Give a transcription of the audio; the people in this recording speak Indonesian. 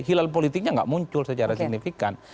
hilal politiknya nggak muncul secara signifikan